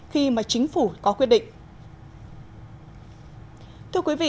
khi mà chính phủ có quyết định